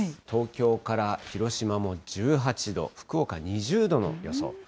東京から広島も１８度、福岡２０度の予想。